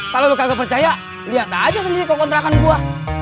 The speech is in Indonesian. kalau lu kagak percaya lihat aja sendiri kok kontrakan gua